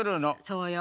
そうよ。